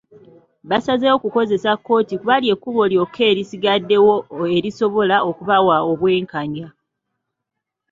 Basazeewo okukozesa kkooti kuba ly'ekkubo lyokka erisigaddewo erisobola okubawa obwenkanya.